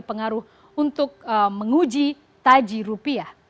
pengaruh untuk menguji taji rupiah